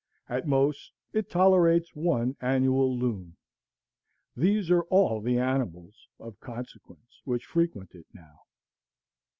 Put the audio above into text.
At most, it tolerates one annual loon. These are all the animals of consequence which frequent it now.